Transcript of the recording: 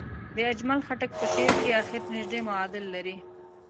د اجمل خټک په شعر کې اخر نژدې معادل لري.